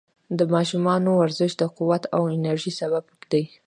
د ماشومانو ورزش د قوت او انرژۍ سبب دی.